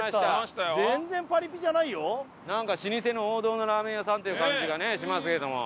なんか老舗の王道のラーメン屋さんって感じがねしますけども。